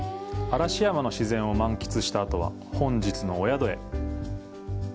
嵐山の自然を満喫したあとは、本日のお宿へ。